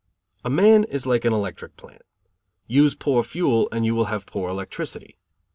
A man is like an electric plant. Use poor fuel and you will have poor electricity.